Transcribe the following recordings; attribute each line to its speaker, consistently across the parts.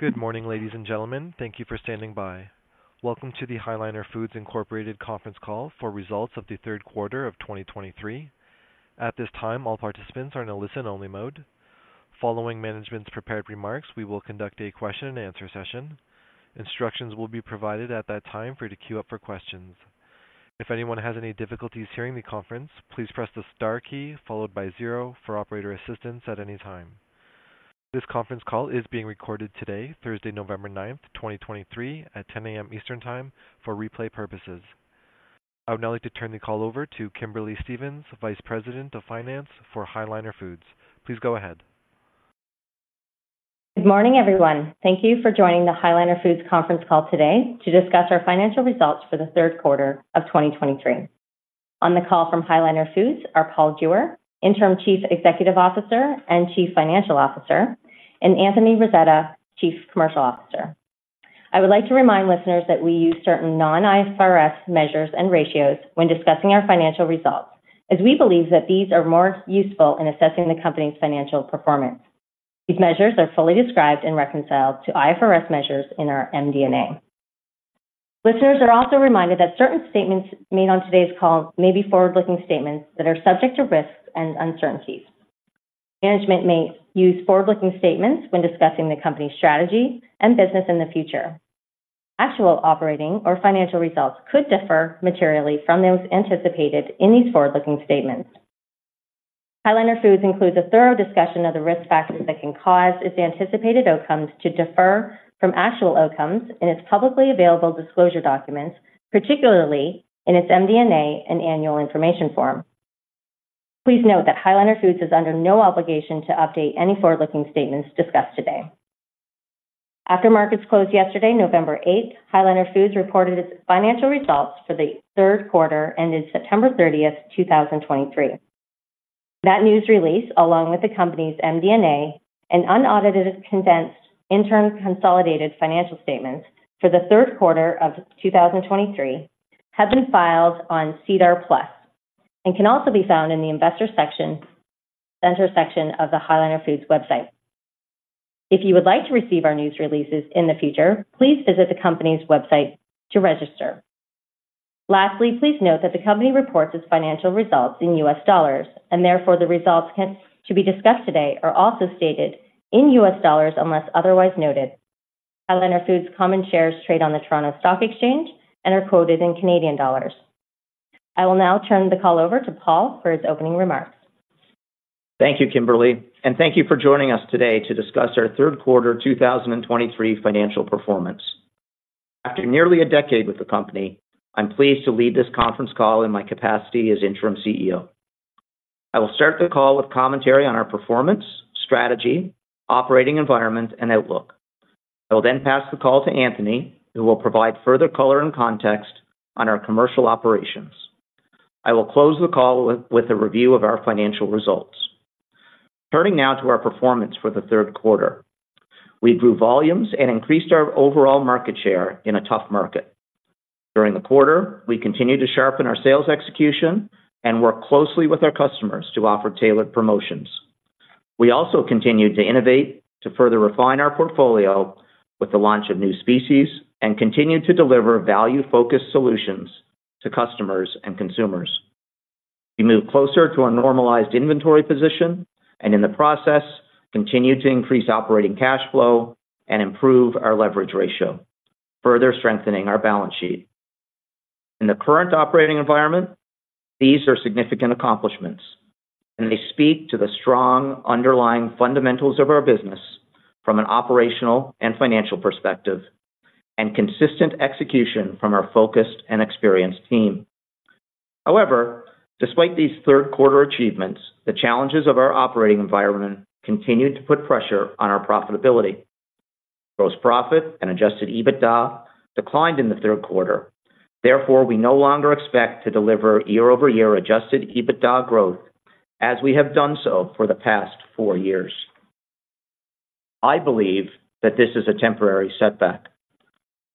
Speaker 1: Good morning, ladies and gentlemen. Thank you for standing by. Welcome to the High Liner Foods Incorporated conference call for results of the third quarter of 2023. At this time, all participants are in a listen-only mode. Following management's prepared remarks, we will conduct a question-and-answer session. Instructions will be provided at that time for you to queue up for questions. If anyone has any difficulties hearing the conference, please press the Star key followed by zero for operator assistance at any time. This conference call is being recorded today, Thursday, November 9th, 2023, at 10:00 A.M. Eastern Time for replay purposes. I would now like to turn the call over to Kimberly Stephens, Vice President of Finance for High Liner Foods. Please go ahead.
Speaker 2: Good morning, everyone. Thank you for joining the High Liner Foods conference call today to discuss our financial results for the third quarter of 2023. On the call from High Liner Foods are Paul Jewer, Interim Chief Executive Officer and Chief Financial Officer, and Anthony Rasetta, Chief Commercial Officer. I would like to remind listeners that we use certain non-IFRS measures and ratios when discussing our financial results, as we believe that these are more useful in assessing the company's financial performance. These measures are fully described and reconciled to IFRS measures in our MD&A. Listeners are also reminded that certain statements made on today's call may be forward-looking statements that are subject to risks and uncertainties. Management may use forward-looking statements when discussing the company's strategy and business in the future. Actual operating or financial results could differ materially from those anticipated in these forward-looking statements. Liner Foods includes a thorough discussion of the risk factors that can cause its anticipated outcomes to differ from actual outcomes in its publicly available disclosure documents, particularly in its MD&A and annual information form. Please note that High Liner Foods is under no obligation to update any forward-looking statements discussed today. After markets closed yesterday, November 8th, High Liner Foods reported its financial results for the third quarter ended September 30th, 2023. That news release, along with the company's MD&A and unaudited condensed interim consolidated financial statements for the third quarter of 2023, have been filed on SEDAR+ and can also be found in the investor section, investor section of the High Liner Foods website. If you would like to receive our news releases in the future, please visit the company's website to register. Lastly, please note that the company reports its financial results in U.S. dollars, and therefore, the results to be discussed today are also stated in U.S. dollars, unless otherwise noted. High Liner Foods common shares trade on the Toronto Stock Exchange and are quoted in Canadian dollars. I will now turn the call over to Paul for his opening remarks.
Speaker 3: Thank you, Kimberly, and thank you for joining us today to discuss our third quarter 2023 financial performance. After nearly a decade with the company, I'm pleased to lead this conference call in my capacity as Interim CEO. I will start the call with commentary on our performance, strategy, operating environment, and outlook. I will then pass the call to Anthony, who will provide further color and context on our commercial operations. I will close the call with a review of our financial results. Turning now to our performance for the third quarter. We grew volumes and increased our overall market share in a tough market. During the quarter, we continued to sharpen our sales execution and work closely with our customers to offer tailored promotions. We also continued to innovate to further refine our portfolio with the launch of new species and continued to deliver value-focused solutions to customers and consumers. We moved closer to a normalized inventory position and in the process, continued to increase operating cash flow and improve our leverage ratio, further strengthening our balance sheet. In the current operating environment, these are significant accomplishments, and they speak to the strong underlying fundamentals of our business from an operational and financial perspective, and consistent execution from our focused and experienced team. However, despite these third quarter achievements, the challenges of our operating environment continued to put pressure on our profitability. Gross profit and adjusted EBITDA declined in the third quarter. Therefore, we no longer expect to deliver year-over-year adjusted EBITDA growth as we have done so for the past four years. I believe that this is a temporary setback.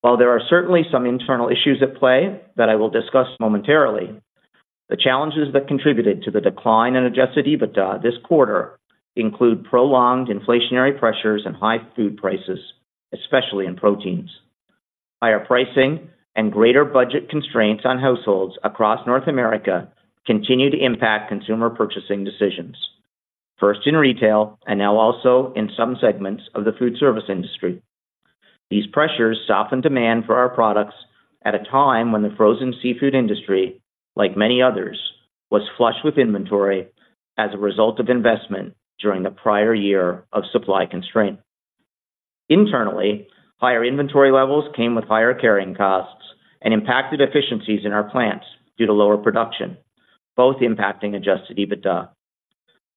Speaker 3: While there are certainly some internal issues at play that I will discuss momentarily, the challenges that contributed to the decline in adjusted EBITDA this quarter include prolonged inflationary pressures and high food prices, especially in proteins. Higher pricing and greater budget constraints on households across North America continue to impact consumer purchasing decisions, first in retail and now also in some segments of the Foodservice industry. These pressures softened demand for our products at a time when the frozen seafood industry, like many others, was flush with inventory as a result of investment during the prior year of supply constraint. Internally, higher inventory levels came with higher carrying costs and impacted efficiencies in our plants due to lower production, both impacting adjusted EBITDA.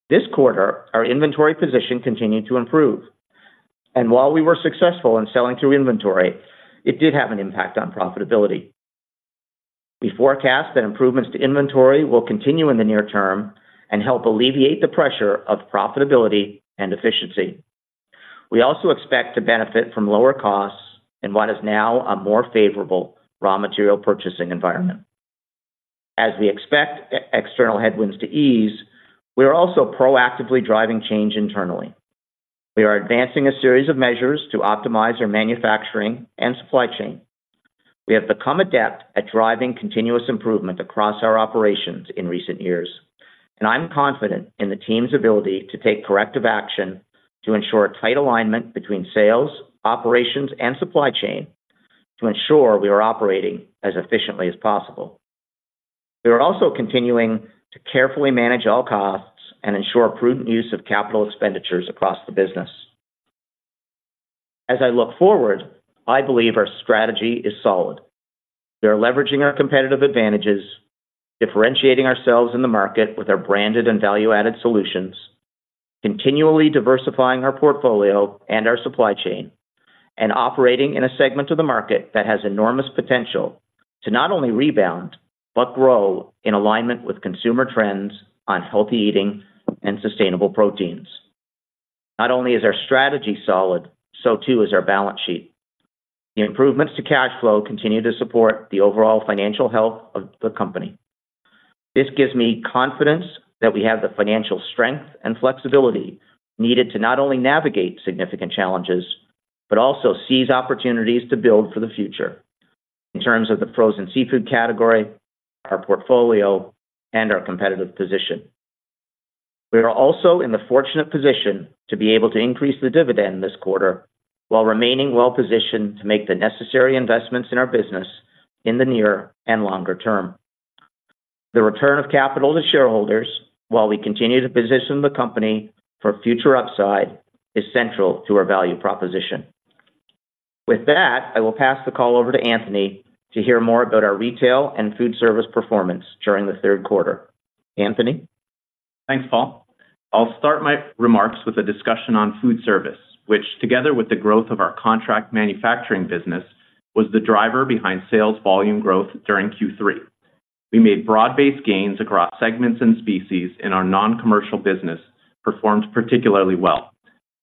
Speaker 3: This quarter, our inventory position continued to improve, and while we were successful in selling through inventory, it did have an impact on profitability. We forecast that improvements to inventory will continue in the near-term and help alleviate the pressure of profitability and efficiency. We also expect to benefit from lower costs in what is now a more favorable raw material purchasing environment… As we expect external headwinds to ease, we are also proactively driving change internally. We are advancing a series of measures to optimize our manufacturing and supply chain. We have become adept at driving continuous improvement across our operations in recent years, and I'm confident in the team's ability to take corrective action to ensure tight alignment between sales, operations, and supply chain to ensure we are operating as efficiently as possible. We are also continuing to carefully manage all costs and ensure prudent use of capital expenditures across the business. As I look forward, I believe our strategy is solid. We are leveraging our competitive advantages, differentiating ourselves in the market with our branded and value-added solutions, continually diversifying our portfolio and our supply chain, and operating in a segment of the market that has enormous potential to not only rebound but grow in alignment with consumer trends on healthy eating and sustainable proteins. Not only is our strategy solid, so too is our balance sheet. The improvements to cash flow continue to support the overall financial health of the company. This gives me confidence that we have the financial strength and flexibility needed to not only navigate significant challenges but also seize opportunities to build for the future in terms of the frozen seafood category, our portfolio, and our competitive position. We are also in the fortunate position to be able to increase the dividend this quarter while remaining well-positioned to make the necessary investments in our business in the near and longer-term. The return of capital to shareholders, while we continue to position the company for future upside, is central to our value proposition. With that, I will pass the call over to Anthony to hear more about our Retail and Foodservice performance during the third quarter. Anthony?
Speaker 4: Thanks, Paul. I'll start my remarks with a discussion on Foodservice, which, together with the growth of our Contract Manufacturing business, was the driver behind sales volume growth during Q3. We made broad-based gains across segments and species, and our non-commercial business performed particularly well.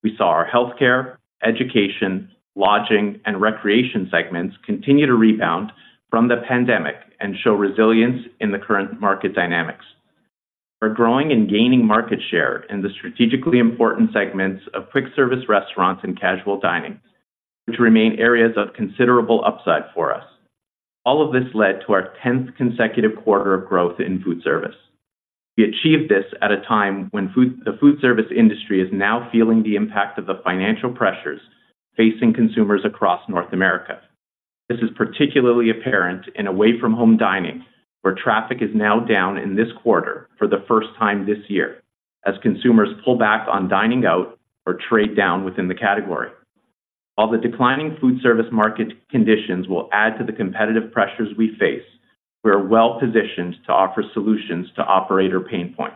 Speaker 4: We saw our Healthcare, Education, Lodging, and Recreation segments continue to rebound from the pandemic and show resilience in the current market dynamics. We're growing and gaining market share in the strategically important segments of quick service restaurants and casual dining, which remain areas of considerable upside for us. All of this led to our tenth consecutive quarter of growth in Foodservice. We achieved this at a time when the Foodservice industry is now feeling the impact of the financial pressures facing consumers across North America. This is particularly apparent in away-from-home dining, where traffic is now down in this quarter for the first time this year, as consumers pull back on dining out or trade down within the category. While the declining Foodservice market conditions will add to the competitive pressures we face, we are well-positioned to offer solutions to operator pain points.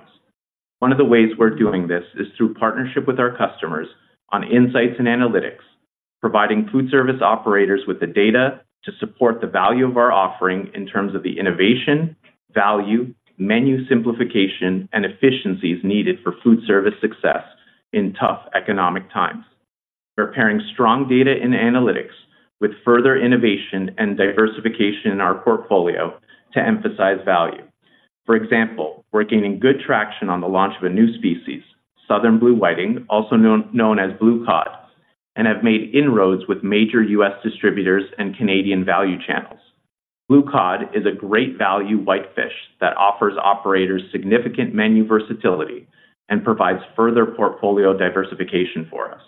Speaker 4: One of the ways we're doing this is through partnership with our customers on insights and analytics, providing foodservice operators with the data to support the value of our offering in terms of the innovation, value, menu simplification, and efficiencies needed for Foodservice success in tough economic times. We're pairing strong data and analytics with further innovation and diversification in our portfolio to emphasize value. For example, we're gaining good traction on the launch of a new species, southern blue whiting, also known as blue cod, and have made inroads with major U.S. distributors and Canadian value channels. Blue cod is a great value whitefish that offers operators significant menu versatility and provides further portfolio diversification for us.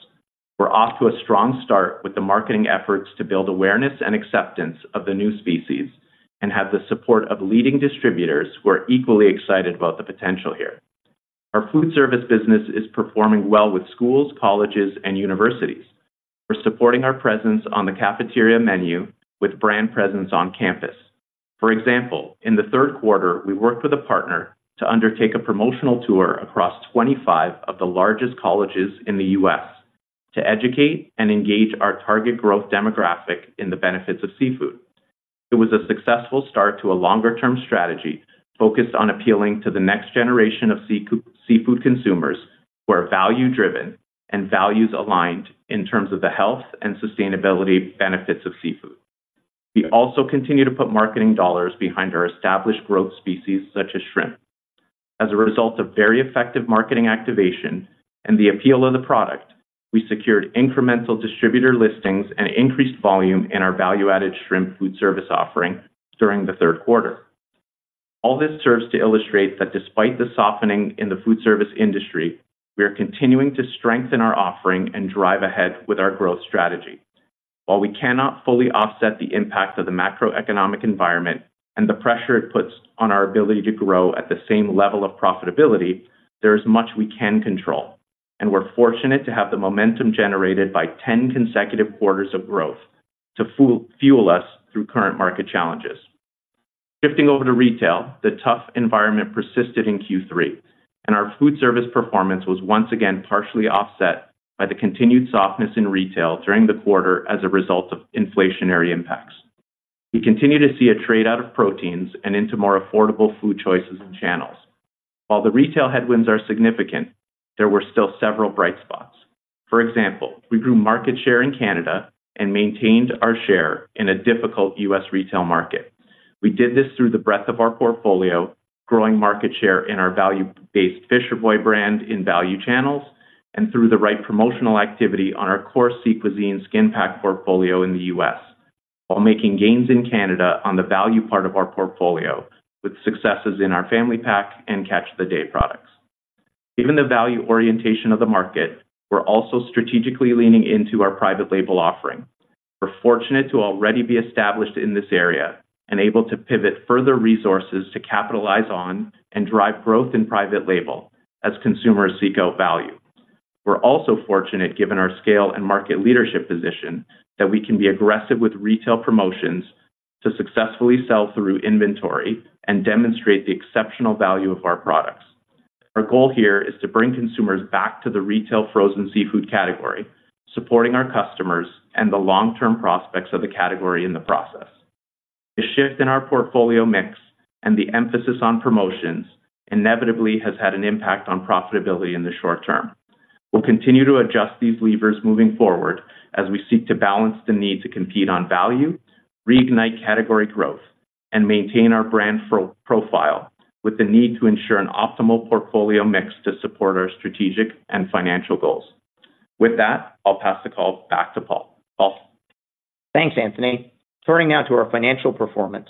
Speaker 4: We're off to a strong start with the marketing efforts to build awareness and acceptance of the new species and have the support of leading distributors who are equally excited about the potential here. Our Foodservice business is performing well with schools, colleges, and universities. We're supporting our presence on the cafeteria menu with brand presence on campus. For example, in the third quarter, we worked with a partner to undertake a promotional tour across 25 of the largest colleges in the U.S. to educate and engage our target growth demographic in the benefits of seafood. It was a successful start to a longer-term strategy focused on appealing to the next generation of seafood, seafood consumers who are value-driven and values-aligned in terms of the health and sustainability benefits of seafood. We also continue to put marketing dollars behind our established growth species, such as shrimp. As a result of very effective marketing activation and the appeal of the product, we secured incremental distributor listings and increased volume in our value-added shrimp Foodservice offering during the third quarter. All this serves to illustrate that despite the softening in the Foodservice industry, we are continuing to strengthen our offering and drive ahead with our growth strategy. While we cannot fully offset the impact of the macroeconomic environment and the pressure it puts on our ability to grow at the same level of profitability, there is much we can control, and we're fortunate to have the momentum generated by 10 consecutive quarters of growth to fuel us through current market challenges. Shifting over to Retail, the tough environment persisted in Q3, and our Foodservice performance was once again partially offset by the continued softness in retail during the quarter as a result of inflationary impacts. We continue to see a trade-out of proteins and into more affordable food choices and channels. While the retail headwinds are significant, there were still several bright spots.... For example, we grew market share in Canada and maintained our share in a difficult U.S. retail market. We did this through the breadth of our portfolio, growing market share in our value-based Fisher Boy brand in value channels, and through the right promotional activity on our core Sea Cuisine skin pack portfolio in the U.S., while making gains in Canada on the value part of our portfolio, with successes in our family pack and Catch of the Day products. Given the value orientation of the market, we're also strategically leaning into our private label offering. We're fortunate to already be established in this area and able to pivot further resources to capitalize on and drive growth in private label as consumers seek out value. We're also fortunate, given our scale and market leadership position, that we can be aggressive with retail promotions to successfully sell through inventory and demonstrate the exceptional value of our products. Our goal here is to bring consumers back to the retail frozen seafood category, supporting our customers and the long-term prospects of the category in the process. The shift in our portfolio mix and the emphasis on promotions inevitably has had an impact on profitability in the short-term. We'll continue to adjust these levers moving forward as we seek to balance the need to compete on value, reignite category growth, and maintain our brand profile, with the need to ensure an optimal portfolio mix to support our strategic and financial goals. With that, I'll pass the call back to Paul. Paul?
Speaker 3: Thanks, Anthony. Turning now to our financial performance.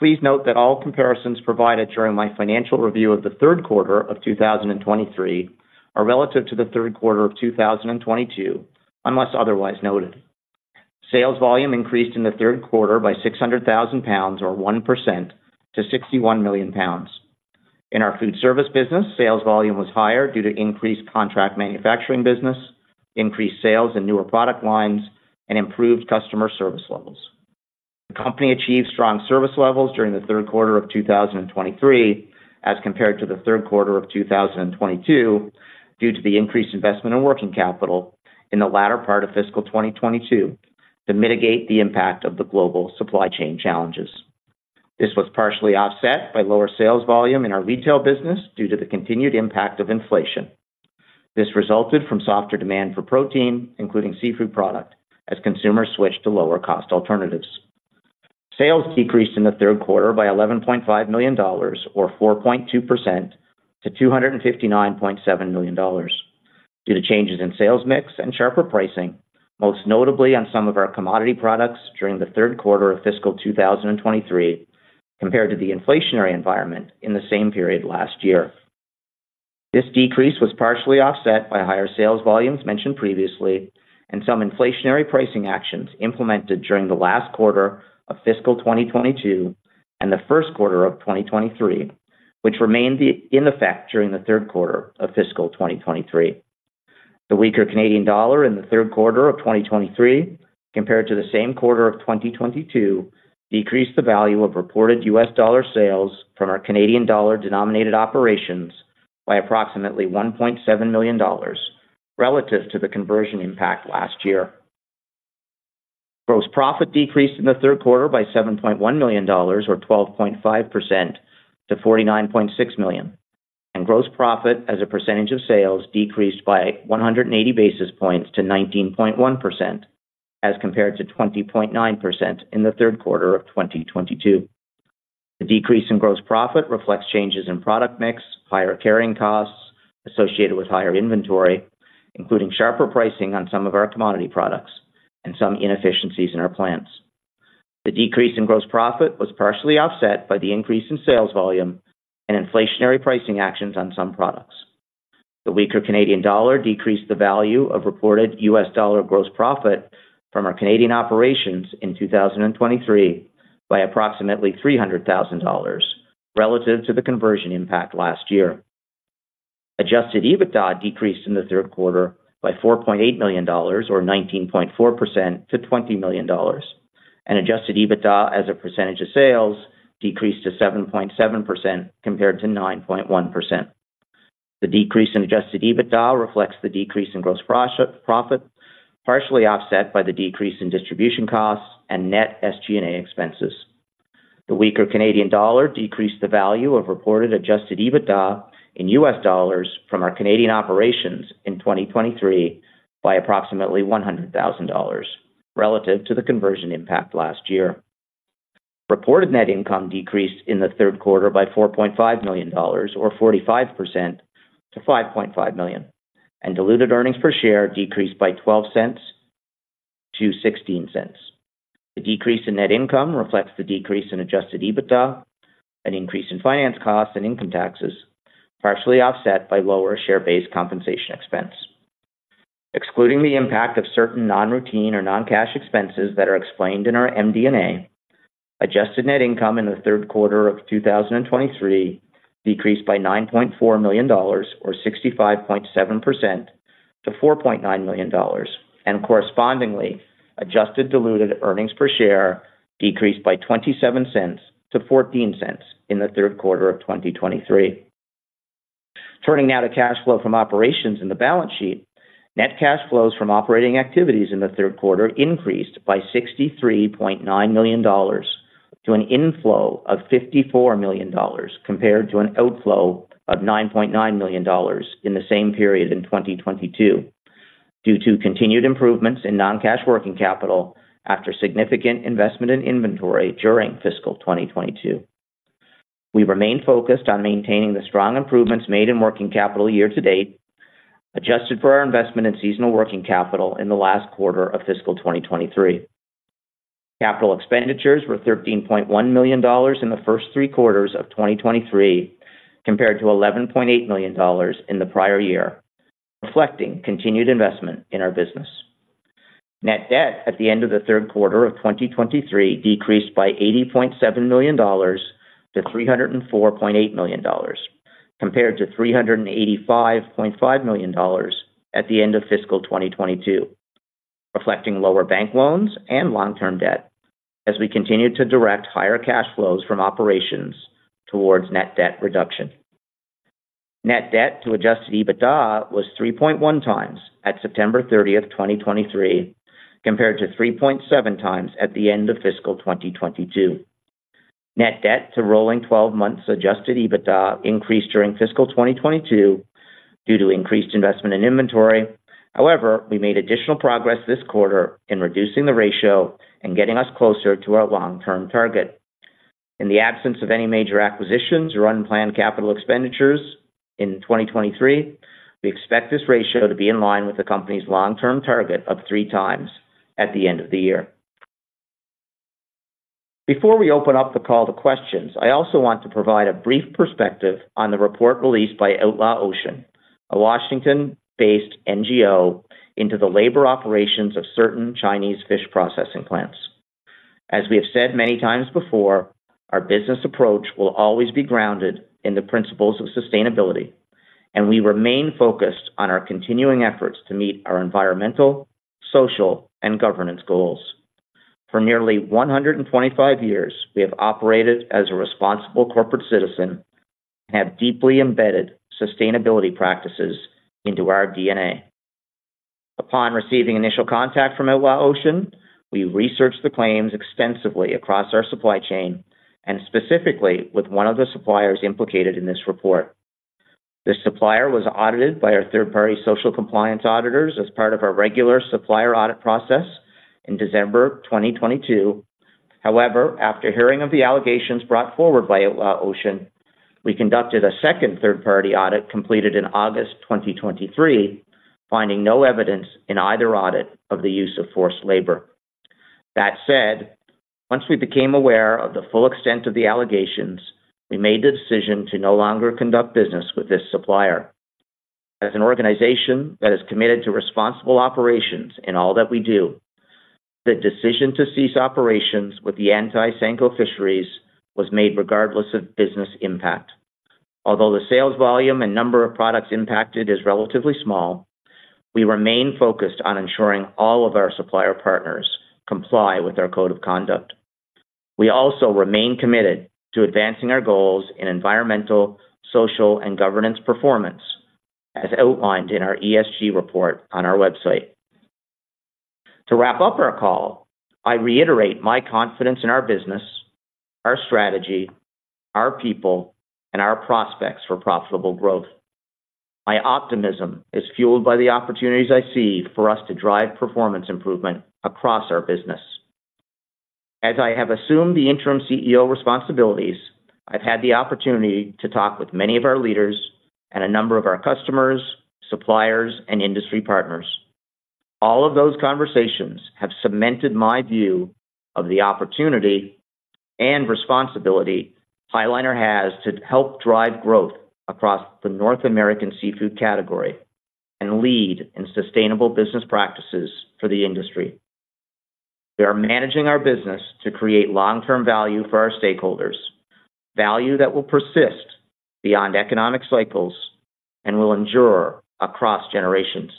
Speaker 3: Please note that all comparisons provided during my financial review of the third quarter of 2023 are relative to the third quarter of 2022, unless otherwise noted. Sales volume increased in the third quarter by 600,000 pounds, or 1%, to 61 million pounds. In our Foodservice business, sales volume was higher due to increased Contract Manufacturing business, increased sales in newer product lines, and improved customer service levels. The company achieved strong service levels during the third quarter of 2023 as compared to the third quarter of 2022, due to the increased investment in working capital in the latter part of fiscal 2022 to mitigate the impact of the global supply chain challenges. This was partially offset by lower sales volume in our Retail business due to the continued impact of inflation. This resulted from softer demand for protein, including seafood product, as consumers switched to lower cost alternatives. Sales decreased in the third quarter by $11.5 million, or 4.2%, to $259.7 million, due to changes in sales mix and sharper pricing, most notably on some of our commodity products during the third quarter of fiscal 2023 compared to the inflationary environment in the same period last year. This decrease was partially offset by higher sales volumes mentioned previously and some inflationary pricing actions implemented during the last quarter of fiscal 2022 and the first quarter of 2023, which remained in effect during the third quarter of fiscal 2023. The weaker Canadian dollar in the third quarter of 2023 compared to the same quarter of 2022, decreased the value of reported US dollar sales from our Canadian dollar-denominated operations by approximately $1.7 million relative to the conversion impact last year. Gross profit decreased in the third quarter by $7.1 million or 12.5% to $49.6 million, and gross profit as a percentage of sales decreased by 180 basis points to 19.1% as compared to 20.9% in the third quarter of 2022. The decrease in gross profit reflects changes in product mix, higher carrying costs associated with higher inventory, including sharper pricing on some of our commodity products and some inefficiencies in our plants. The decrease in gross profit was partially offset by the increase in sales volume and inflationary pricing actions on some products. The weaker Canadian dollar decreased the value of reported U.S. dollar gross profit from our Canadian operations in 2023 by approximately $300,000 relative to the conversion impact last year. Adjusted EBITDA decreased in the third quarter by $4.8 million or 19.4% to $20 million, and adjusted EBITDA as a percentage of sales decreased to 7.7% compared to 9.1%. The decrease in adjusted EBITDA reflects the decrease in gross profit, partially offset by the decrease in distribution costs and net SG&A expenses. The weaker Canadian dollar decreased the value of reported Adjusted EBITDA in U.S. dollars from our Canadian operations in 2023 by approximately $100,000 relative to the conversion impact last year. Reported net income decreased in the third quarter by $4.5 million or 45% to $5.5 million, and diluted earnings per share decreased by $0.12 -$0.16. The decrease in net income reflects the decrease in adjusted EBITDA, an increase in finance costs and income taxes, partially offset by lower share-based compensation expense. Excluding the impact of certain non-routine or non-cash expenses that are explained in our MD&A, adjusted net income in the third quarter of 2023 decreased by $9.4 million or 65.7% to $4.9 million, and correspondingly, adjusted diluted earnings per share decreased by $0.27-$0.14 in the third quarter of 2023. Turning now to cash flow from operations in the balance sheet. Net cash flows from operating activities in the third quarter increased by $63.9 million to an inflow of $54 million compared to an outflow of $9.9 million in the same period in 2022, due to continued improvements in non-cash working capital after significant investment in inventory during fiscal 2022. We remain focused on maintaining the strong improvements made in working capital year to date, adjusted for our investment in seasonal working capital in the last quarter of fiscal 2023. Capital expenditures were $13.1 million in the first three quarters of 2023, compared to $11.8 million in the prior year, reflecting continued investment in our business. Net debt at the end of the third quarter of 2023 decreased by $80.7 million to $304.8 million, compared to $385.5 million at the end of fiscal 2022, reflecting lower bank loans and long-term debt as we continued to direct higher cash flows from operations towards net debt reduction. Net debt to adjusted EBITDA was 3.1x at September 30th, 2023, compared to 3.7x at the end of fiscal 2022. Net debt to rolling 12 months adjusted EBITDA increased during fiscal 2022 due to increased investment in inventory. However, we made additional progress this quarter in reducing the ratio and getting us closer to our long-term target. In the absence of any major acquisitions or unplanned capital expenditures in 2023, we expect this ratio to be in line with the company's long-term target of 3x at the end of the year. Before we open up the call to questions, I also want to provide a brief perspective on the report released by Outlaw Ocean, a Washington-based NGO, into the labor operations of certain Chinese fish processing plants. As we have said many times before, our business approach will always be grounded in the principles of sustainability, and we remain focused on our continuing efforts to meet our environmental, social, and governance goals. For nearly 125 years, we have operated as a responsible corporate citizen and have deeply embedded sustainability practices into our DNA. Upon receiving initial contact from Outlaw Ocean, we researched the claims extensively across our supply chain and specifically with one of the suppliers implicated in this report. This supplier was audited by our third-party social compliance auditors as part of our regular supplier audit process in December 2022. However, after hearing of the allegations brought forward by Outlaw Ocean, we conducted a second third-party audit, completed in August 2023, finding no evidence in either audit of the use of forced labor. That said, once we became aware of the full extent of the allegations, we made the decision to no longer conduct business with this supplier. As an organization that is committed to responsible operations in all that we do, the decision to cease operations with the Yantai Sanko Fisheries was made regardless of business impact. Although the sales volume and number of products impacted is relatively small, we remain focused on ensuring all of our supplier partners comply with our code of conduct. We also remain committed to advancing our goals in environmental, social, and governance performance, as outlined in our ESG report on our website. To wrap up our call, I reiterate my confidence in our business, our strategy, our people, and our prospects for profitable growth. My optimism is fueled by the opportunities I see for us to drive performance improvement across our business. As I have assumed the Interim CEO responsibilities, I've had the opportunity to talk with many of our leaders and a number of our customers, suppliers, and industry partners. All of those conversations have cemented my view of the opportunity and responsibility High Liner has to help drive growth across the North American seafood category and lead in sustainable business practices for the industry. We are managing our business to create long-term value for our stakeholders, value that will persist beyond economic cycles and will endure across generations.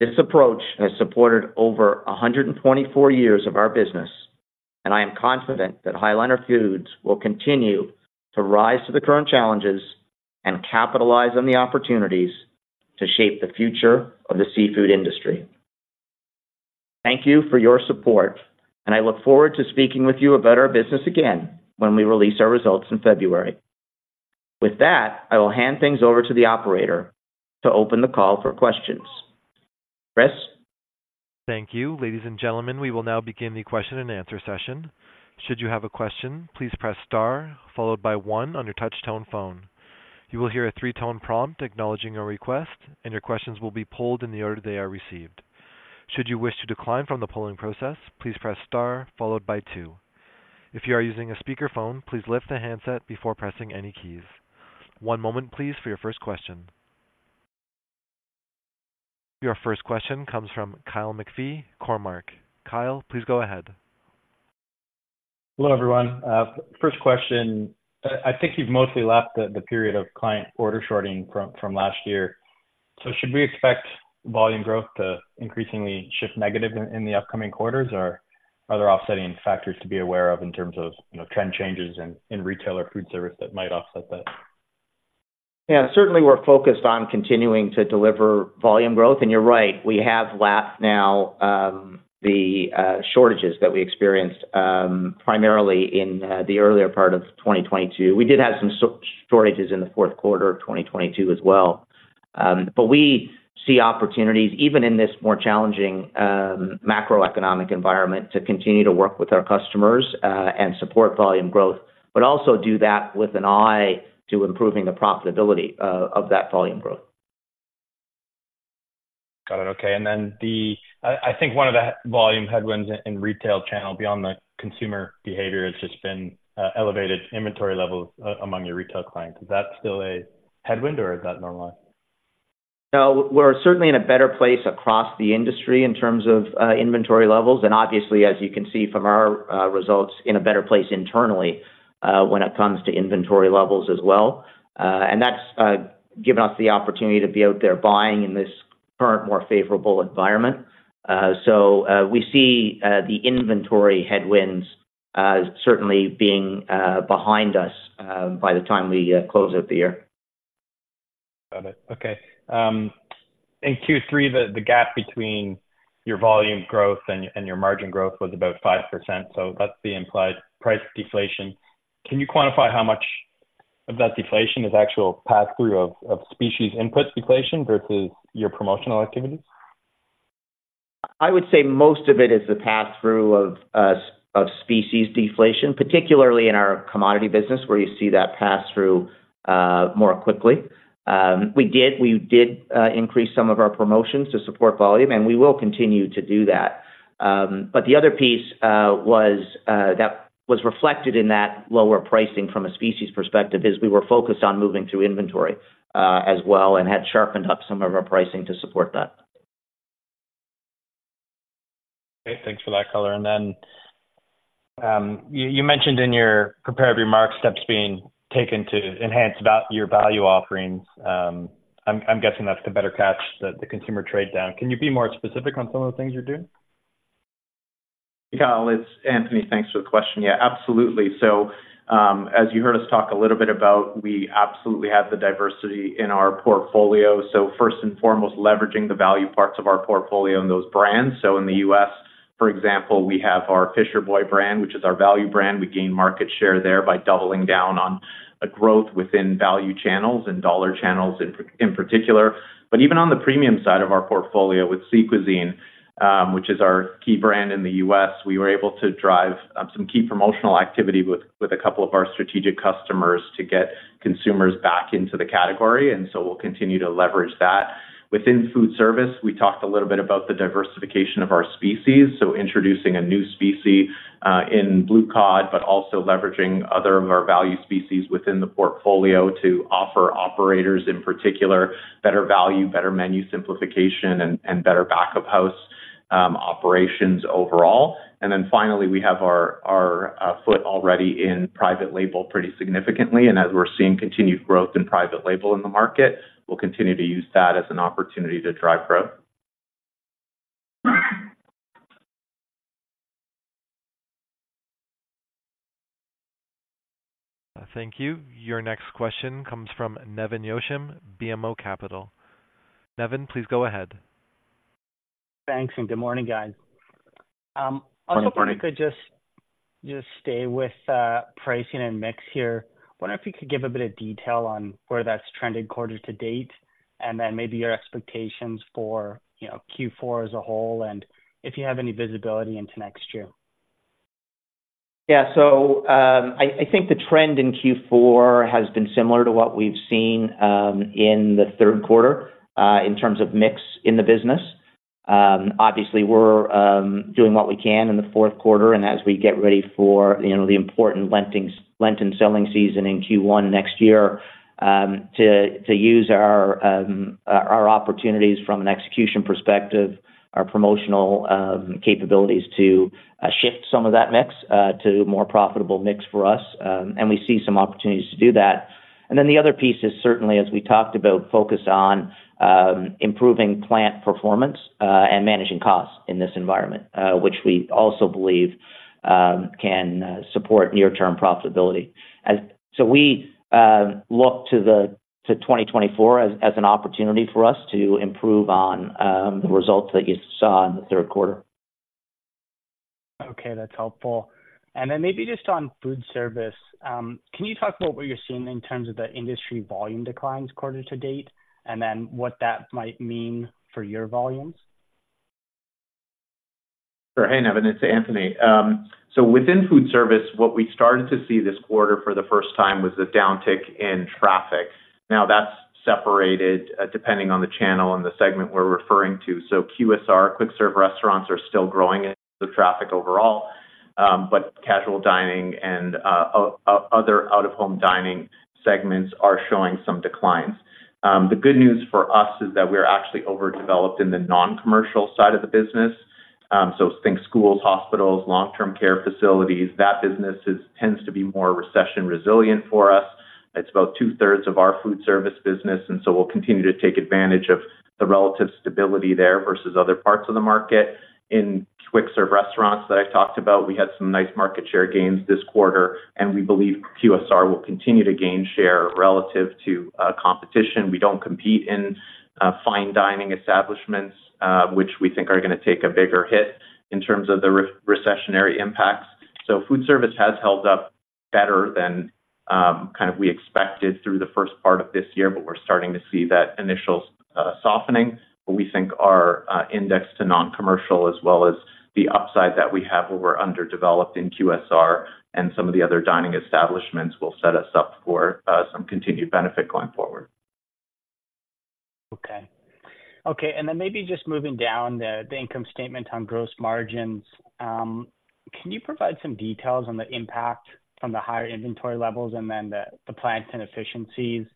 Speaker 3: This approach has supported over 124 years of our business, and I am confident that High Liner Foods will continue to rise to the current challenges and capitalize on the opportunities to shape the future of the seafood industry. Thank you for your support, and I look forward to speaking with you about our business again when we release our results in February. With that, I will hand things over to the operator to open the call for questions. Chris?
Speaker 1: Thank you. Ladies and gentlemen, we will now begin the question-and-answer session. Should you have a question, please press Star followed by one on your touch-tone phone. You will hear a three-tone prompt acknowledging your request, and your questions will be polled in the order they are received. Should you wish to decline from the polling process, please press Star followed by two. If you are using a speakerphone, please lift the handset before pressing any keys. One moment, please, for your first question. Your first question comes from Kyle McPhee, Cormark. Kyle, please go ahead.
Speaker 5: Hello, everyone. First question. I think you've mostly left the period of client order shorting from last year. So should we expect volume growth to increasingly shift negative in the upcoming quarters, or are there offsetting factors to be aware of in terms of, you know, trend changes in Retail or Foodservice that might offset that?
Speaker 3: Yeah, certainly we're focused on continuing to deliver volume growth. You're right, we have lapped now the shortages that we experienced primarily in the earlier part of 2022. We did have some shortages in the fourth quarter of 2022 as well. We see opportunities, even in this more challenging macroeconomic environment, to continue to work with our customers and support volume growth, but also do that with an eye to improving the profitability of that volume growth.
Speaker 5: Got it. Okay, and then the I think one of the volume headwinds in retail channel, beyond the consumer behavior, has just been elevated inventory levels among your retail clients. Is that still a headwind or is that normalized?
Speaker 3: No, we're certainly in a better place across the industry in terms of inventory levels, and obviously, as you can see from our results, in a better place internally when it comes to inventory levels as well. And that's given us the opportunity to be out there buying in this current, more favorable environment. So, we see the inventory headwinds certainly being behind us by the time we close out the year.
Speaker 5: Got it. Okay. In Q3, the gap between your volume growth and your margin growth was about 5%, so that's the implied price deflation. Can you quantify how much of that deflation is actual passthrough of species input deflation versus your promotional activities?
Speaker 3: I would say most of it is the passthrough of species deflation, particularly in our commodity business, where you see that passthrough more quickly. We did increase some of our promotions to support volume, and we will continue to do that. But the other piece was that was reflected in that lower pricing from a species perspective, is we were focused on moving through inventory as well, and had sharpened up some of our pricing to support that.
Speaker 5: Great. Thanks for that color. And then, you mentioned in your prepared remarks, steps being taken to enhance your value offerings. I'm guessing that's to better catch the consumer trade-down. Can you be more specific on some of the things you're doing?
Speaker 4: Kyle, it's Anthony. Thanks for the question. Yeah, absolutely. So, as you heard us talk a little bit about, we absolutely have the diversity in our portfolio. So first and foremost, leveraging the value parts of our portfolio and those brands. So in the U.S., for example, we have our Fisher Boy brand, which is our value brand. We gain market share there by doubling down on a growth within value channels and dollar channels in particular. But even on the premium side of our portfolio with Sea Cuisine, which is our key brand in the U.S., we were able to drive some key promotional activity with a couple of our strategic customers to get consumers back into the category, and so we'll continue to leverage that. Within Foodservice, we talked a little bit about the diversification of our species, so introducing a new species in blue cod, but also leveraging other of our value species within the portfolio to offer operators, in particular, better value, better menu simplification, and better back-of-house operations overall. Then finally, we have our foot already in private label pretty significantly, and as we're seeing continued growth in private label in the market, we'll continue to use that as an opportunity to drive growth.
Speaker 1: Thank you. Your next question comes from Nevan Yochim, BMO Capital. Nevin, please go ahead.
Speaker 6: Thanks, and good morning, guys.
Speaker 3: Good morning.
Speaker 6: Also, if we could just stay with pricing and mix here. I wonder if you could give a bit of detail on where that's trended quarter to date, and then maybe your expectations for, you know, Q4 as a whole, and if you have any visibility into next year.
Speaker 3: Yeah. So, I think the trend in Q4 has been similar to what we've seen in the third quarter in terms of mix in the business. Obviously, we're doing what we can in the fourth quarter, and as we get ready for, you know, the important Lenten selling season in Q1 next year, to use our opportunities from an execution perspective, our promotional capabilities, to shift some of that mix to more profitable mix for us, and we see some opportunities to do that. And then the other piece is certainly, as we talked about, focused on improving plant performance and managing costs in this environment, which we also believe can support near-term profitability. So we look to 2024 as an opportunity for us to improve on the results that you saw in the third quarter.
Speaker 6: Okay, that's helpful. And then maybe just on Foodservice, can you talk about what you're seeing in terms of the industry volume declines quarter to date, and then what that might mean for your volumes?
Speaker 4: Sure. Hey, Nevin, it's Anthony. So within Foodservice, what we started to see this quarter for the first time was the downtick in traffic. Now that's separated, depending on the channel and the segment we're referring to. So QSR, quick-serve restaurants, are still growing in the traffic overall, but casual dining and other out-of-home dining segments are showing some declines. The good news for us is that we're actually overdeveloped in the non-commercial side of the business. So think schools, hospitals, long-term care facilities. That business tends to be more recession resilient for us. It's about two-thirds of our Foodservice business, and so we'll continue to take advantage of the relative stability there versus other parts of the market. In quick-serve restaurants that I talked about, we had some nice market share gains this quarter, and we believe QSR will continue to gain share relative to competition. We don't compete in- Fine dining establishments, which we think are gonna take a bigger hit in terms of the recessionary impacts. So Foodservice has held up better than kind of we expected through the first part of this year, but we're starting to see that initial softening. But we think our index to non-commercial, as well as the upside that we have over underdeveloped in QSR and some of the other dining establishments, will set us up for some continued benefit going forward.
Speaker 6: Okay. Okay, and then maybe just moving down the income statement on gross margins. Can you provide some details on the impact from the higher inventory levels and then the plants and efficiencies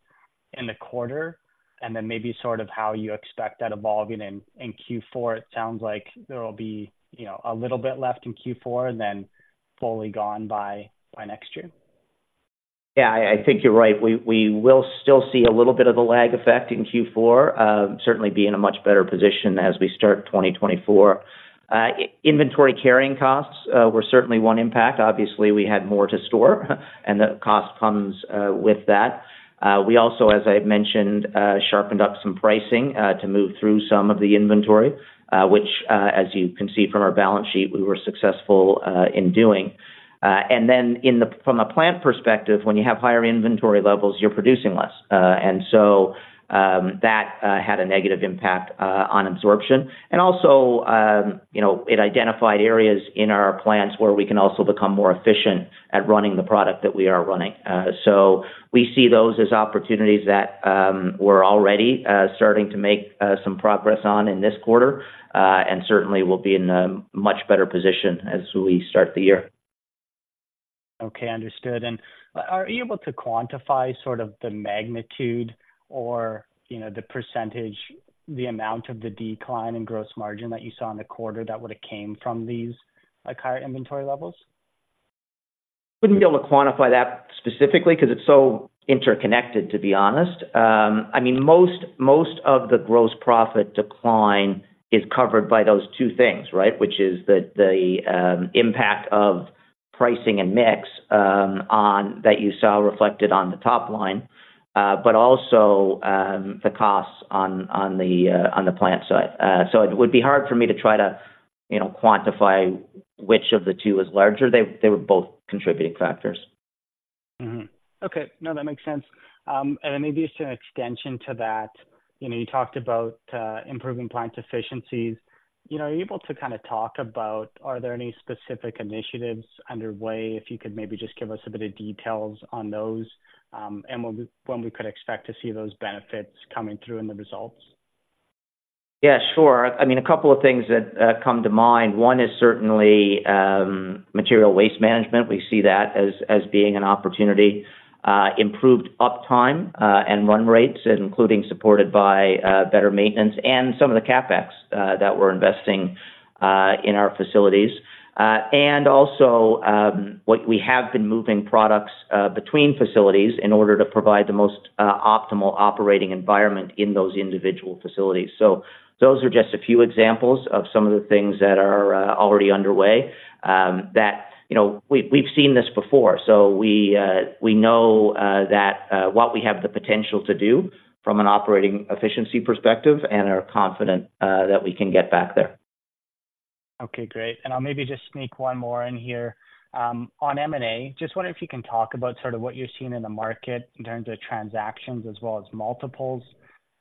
Speaker 6: in the quarter, and then maybe sort of how you expect that evolving in Q4? It sounds like there will be, you know, a little bit left in Q4 and then fully gone by next year.
Speaker 3: Yeah, I think you're right. We will still see a little bit of a lag effect in Q4, certainly be in a much better position as we start 2024. Inventory carrying costs were certainly one impact. Obviously, we had more to store, and the cost comes with that. We also, as I've mentioned, sharpened up some pricing to move through some of the inventory, which, as you can see from our balance sheet, we were successful in doing. And then from a plant perspective, when you have higher inventory levels, you're producing less. And so, that had a negative impact on absorption. And also, you know, it identified areas in our plants where we can also become more efficient at running the product that we are running. So we see those as opportunities that we're already starting to make some progress on in this quarter, and certainly will be in a much better position as we start the year.
Speaker 6: Okay, understood. And are you able to quantify sort of the magnitude or, you know, the percentage, the amount of the decline in gross margin that you saw in the quarter that would have came from these, like, higher inventory levels?
Speaker 3: Wouldn't be able to quantify that specifically because it's so interconnected, to be honest. I mean, most of the gross profit decline is covered by those two things, right? Which is the impact of pricing and mix on that you saw reflected on the top line, but also the costs on the plant side. So it would be hard for me to try to, you know, quantify which of the two is larger. They were both contributing factors.
Speaker 6: Okay. No, that makes sense. And then maybe just an extension to that, you know, you talked about improving plant efficiencies. You know, are you able to kind of talk about, are there any specific initiatives underway? If you could maybe just give us a bit of details on those, and when we could expect to see those benefits coming through in the results.
Speaker 3: Yeah, sure. I mean, a couple of things that come to mind. One is certainly material waste management. We see that as being an opportunity. Improved uptime and run rates, including supported by better maintenance and some of the CapEx that we're investing in our facilities. And also, what we have been moving products between facilities in order to provide the most optimal operating environment in those individual facilities. So those are just a few examples of some of the things that are already underway that, you know, we've seen this before. So we know that what we have the potential to do from an operating efficiency perspective and are confident that we can get back there.
Speaker 6: Okay, great. And I'll maybe just sneak one more in here. On M&A, just wondering if you can talk about sort of what you're seeing in the market in terms of transactions as well as multiples.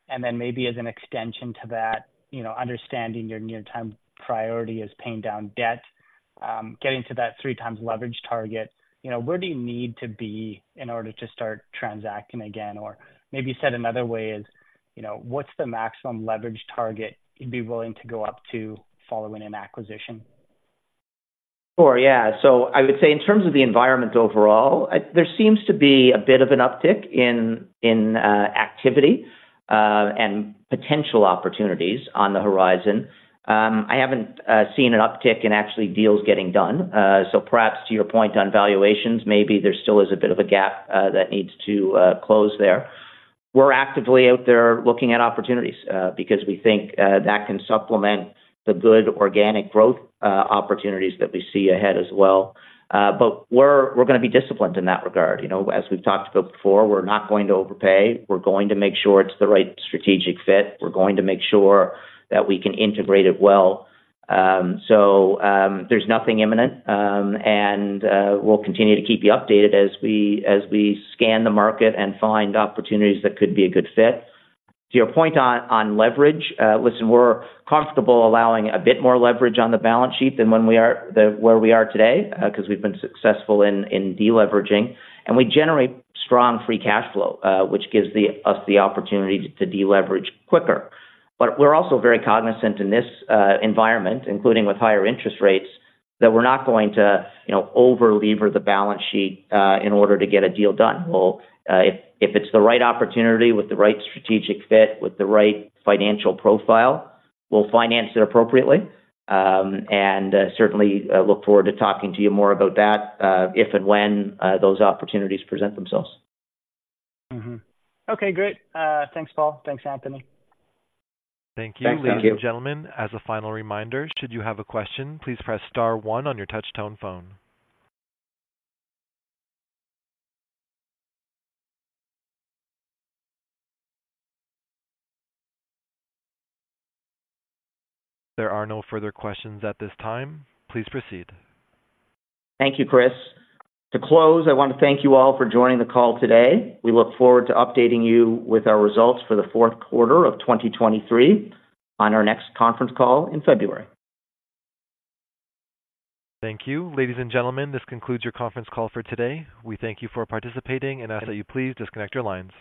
Speaker 6: And then maybe as an extension to that, you know, understanding your near-term priority is paying down debt, getting to that 3x leverage target. You know, where do you need to be in order to start transacting again? Or maybe said another way is, you know, what's the maximum leverage target you'd be willing to go up to following an acquisition?
Speaker 3: Sure, yeah. So I would say in terms of the environment overall, there seems to be a bit of an uptick in activity and potential opportunities on the horizon. I haven't seen an uptick in actually deals getting done. So perhaps to your point on valuations, maybe there still is a bit of a gap that needs to close there. We're actively out there looking at opportunities because we think that can supplement the good organic growth opportunities that we see ahead as well. But we're gonna be disciplined in that regard. You know, as we've talked about before, we're not going to overpay. We're going to make sure it's the right strategic fit. We're going to make sure that we can integrate it well. So, there's nothing imminent, and we'll continue to keep you updated as we scan the market and find opportunities that could be a good fit. To your point on leverage, listen, we're comfortable allowing a bit more leverage on the balance sheet than where we are today, because we've been successful in deleveraging, and we generate strong free cash flow, which gives us the opportunity to deleverage quicker. But we're also very cognizant in this environment, including with higher interest rates, that we're not going to, you know, over-lever the balance sheet in order to get a deal done. Well, if it's the right opportunity with the right strategic fit, with the right financial profile, we'll finance it appropriately, and certainly look forward to talking to you more about that, if and when those opportunities present themselves.
Speaker 6: Mm-hmm. Okay, great. Thanks, Paul. Thanks, Anthony.
Speaker 1: Thank you.
Speaker 3: Thanks.
Speaker 1: Ladies and gentlemen, as a final reminder, should you have a question, please press Star one on your touch tone phone. There are no further questions at this time. Please proceed.
Speaker 3: Thank you, Chris. To close, I want to thank you all for joining the call today. We look forward to updating you with our results for the fourth quarter of 2023 on our next conference call in February.
Speaker 1: Thank you. Ladies and gentlemen, this concludes your conference call for today. We thank you for participating, and ask that you please disconnect your lines.